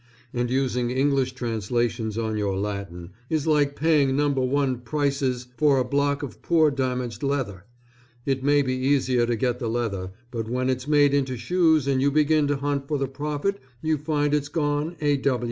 And using English translations on your Latin is like paying number one prices for a block of poor damaged leather: it may be easier to get the leather, but when it's made into shoes and you begin to hunt for the profit you find it's gone A.